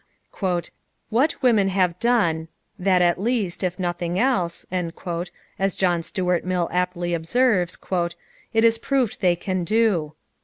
What women have done "that at least, if nothing else," as John Stuart Mill aptly observes, "it is proved they can do.